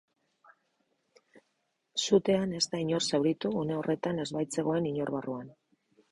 Sutean ez da inor zauritu, une horretan ez baitzegoen inor barruan.